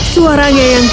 suaranya keras dan tegas